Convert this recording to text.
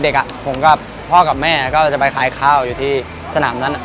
เด็กผมกับพ่อกับแม่ก็จะไปขายข้าวอยู่ที่สนามนั้น